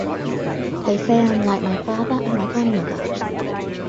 They say I am like my father and my grandmother.